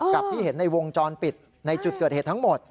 ที่เห็นในวงจรปิดในจุดเกิดเหตุทั้งหมด